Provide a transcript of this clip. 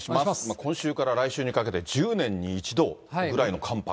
今週から来週にかけて１０年に１度ぐらいの寒波が。